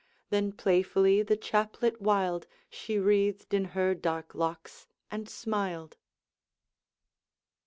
Then playfully the chaplet wild She wreathed in her dark locks, and smiled.